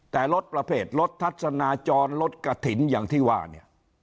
แต่รถประเภทรถทัศนาจรรถกระถิ่นอย่างที่ว่าเนี่ย